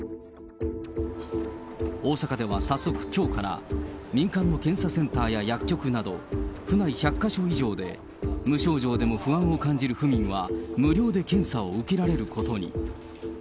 大阪では早速きょうから、民間の検査センターや薬局など、府内１００か所以上で、無症状でも不安を感じる府民は無料で検査を受けられることに。